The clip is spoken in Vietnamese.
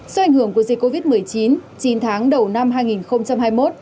do ảnh hưởng của dịch covid một mươi chín chín tháng đầu năm hai nghìn hai mươi một